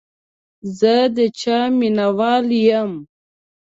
زه د چای مینهوال یم.